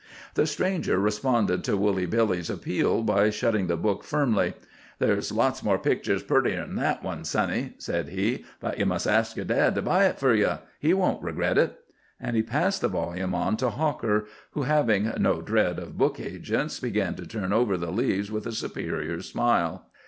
The stranger responded to Woolly Billy's appeal by shutting the book firmly. "There's lots more pictures purtier than that one, sonny," said he. "But ye must ask yer dad to buy it fer ye. He won't regret it." And he passed the volume on to Hawker, who, having no dread of book agents, began to turn over the leaves with a superior smile.